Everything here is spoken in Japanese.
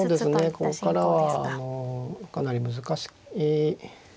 ここからはかなり難しい。